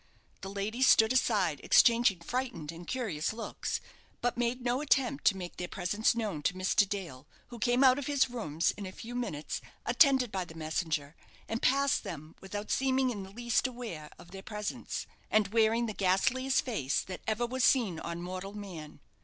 The ladies stood aside exchanging frightened and curious looks, but made no attempt to make their presence known to Mr. Dale, who came out of his rooms in a few minutes, attended by the messenger, and passed them without seeming in the least aware of their presence, and wearing the ghastliest face that ever was seen on mortal man.